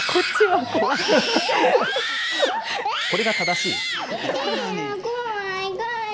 これが正しい。